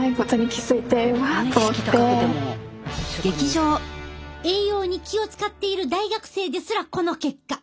栄養に気を遣っている大学生ですらこの結果。